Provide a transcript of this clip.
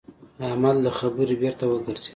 احمد له خبرې بېرته وګرځېد.